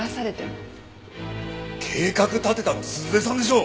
計画立てたの鈴江さんでしょ！